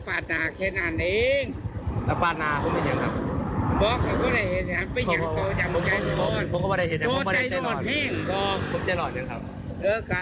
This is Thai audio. ผมใจหลอดแบบนั้นครับ